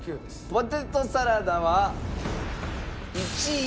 ポテトサラダは１位。